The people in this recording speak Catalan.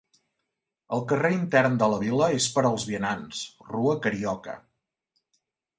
El carrer intern de la vila és per als vianants, Rua Carioca.